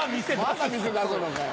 まだ店出すのかよ。